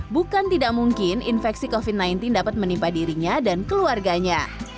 bukan tidak mungkin infeksi covid sembilan belas dapat menimpa dirinya dan keluarganya